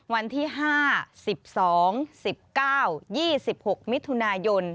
วันที่๕๑๒๑๙๒๖มิถุนายน